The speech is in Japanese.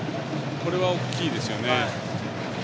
これは大きいですよね。